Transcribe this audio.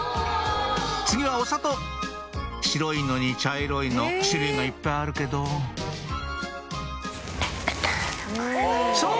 次はお砂糖白いのに茶色いの種類がいっぱいあるけどそう！